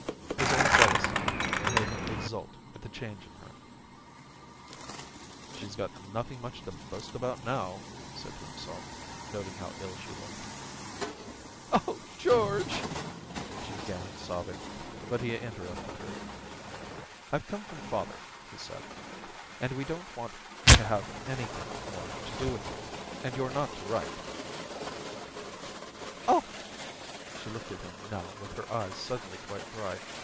His old jealousy made him exult at the change in hen 'She's got nothing much to boast about now,' he said to himself, noting how ill she looked. * Oh, George !*... she began, sobbing ; but he interrupted her. * I've come from father,' he said, * and we don't want to have anything more to do with you, and you're not to write.' * Oh !' She looked at him now with her eyes suddenly quite dry.